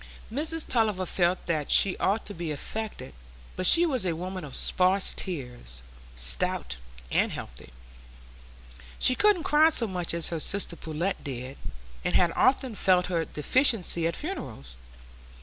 Mrs Tulliver felt that she ought to be affected, but she was a woman of sparse tears, stout and healthy; she couldn't cry so much as her sister Pullet did, and had often felt her deficiency at funerals.